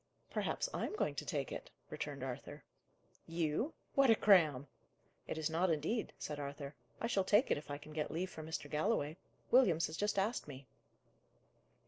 "Perhaps I am going to take it," returned Arthur. "You? what a cram!" "It is not, indeed," said Arthur. "I shall take it if I can get leave from Mr. Galloway. Williams has just asked me."